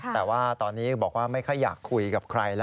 แต่ว่าตอนนี้บอกว่าไม่ค่อยอยากคุยกับใครแล้ว